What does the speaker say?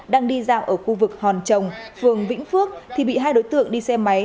đang đi giao ở khu vực hòn trồng phường vĩnh phước thì bị hai đối tượng đi xe máy